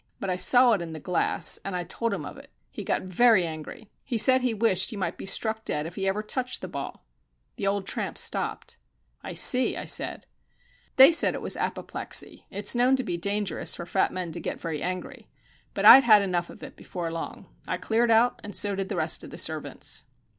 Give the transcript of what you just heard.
But I saw it in the glass, and I told him of it. He got very angry. He said he wished he might be struck dead if he ever touched the ball." The old tramp stopped. "I see," I said. "They said it was apoplexy. It's known to be dangerous for fat men to get very angry. But I'd had enough of it before long. I cleared out, and so did the rest of the servants."